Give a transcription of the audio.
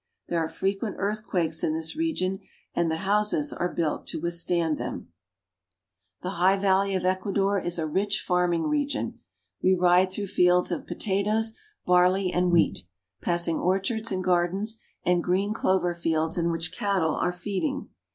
There are frequent earthquakes in this region, and the houses are built to withstand them. 46 ECUADOR. The high valley of Ecuador is a rich farming region. We ride through fields of potatoes, barley, and wheat, passing orchards and gar dens, and green clover fields in which cattle are feeding.